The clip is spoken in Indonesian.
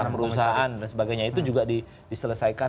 dan sebagainya itu juga diselesaikan